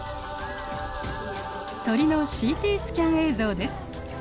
鳥のＣＴスキャン映像です。